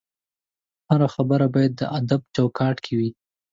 هره خبره باید د ادب چوکاټ کې وي